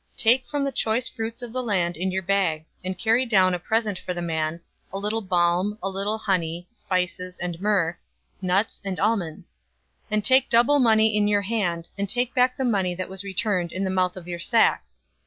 Take from the choice fruits of the land in your bags, and carry down a present for the man, a little balm, a little honey, spices and myrrh, nuts, and almonds; 043:012 and take double money in your hand, and take back the money that was returned in the mouth of your sacks.